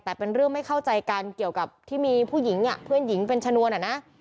แต่เป็นเรื่องไม่เข้าใจกันเกี่ยวกับที่มีผู้หญิงเพื่อนหญิงเป็นชนวนอ่ะนะ